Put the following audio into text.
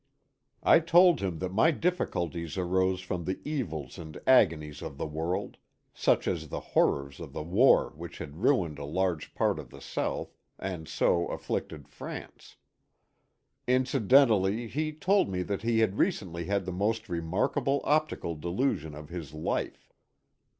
I told him that my difiiculties arose \ from the evils and agonies of the world, — such as the hor rors of the war which had ruined a large part of the South . and so afflicted France. Incidentally he told me that he had recently had the most remarkable optical delusion of his life.